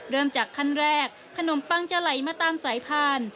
เริ่มจากขั้นแรกขนมปังจะไหลมาตามสายพาน